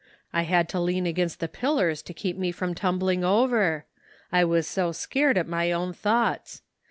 I had to lean against the pillars to keep me from tumbling over. I was so scared at my own thoughts.